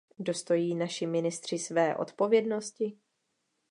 Dostojí naši ministři své odpovědnosti?